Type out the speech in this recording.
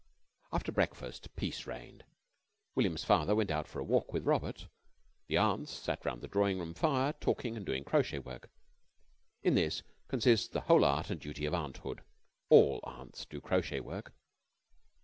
After breakfast peace reigned. William's father went out for a walk with Robert. The aunts sat round the drawing room fire talking and doing crochet work. In this consists the whole art and duty of aunthood. All aunts do crochet work.